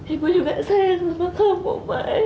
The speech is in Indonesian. ibu juga sayang sama kamu mai